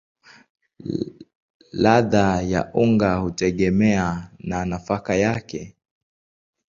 Ladha ya unga hutegemea na nafaka yake.